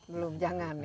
belum jangan ya